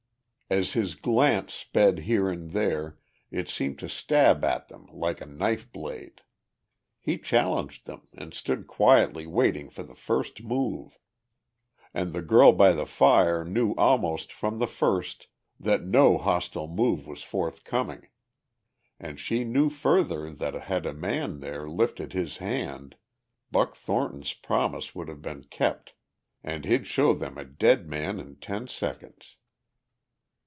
As his glance sped here and there it seemed to stab at them like a knife blade. He challenged them and stood quietly waiting for the first move. And the girl by the fire knew almost from the first that no hostile move was forthcoming. And she knew further that had a man there lifted his hand Buck Thornton's promise would have been kept and he'd show them a dead man in ten seconds.